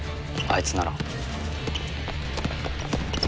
いつなら。